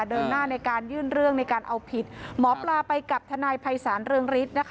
เดินหน้าในการยื่นเรื่องในการเอาผิดหมอปลาไปกับทนายภัยศาลเรืองฤทธิ์นะคะ